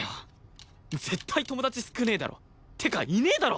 絶対友達少ねえだろ！ってかいねえだろ！